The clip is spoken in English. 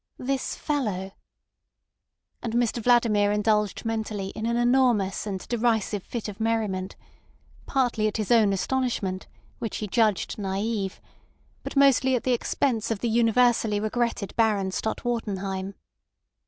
This fellow! And Mr Vladimir indulged mentally in an enormous and derisive fit of merriment, partly at his own astonishment, which he judged naive, but mostly at the expense of the universally regretted Baron Stott Wartenheim.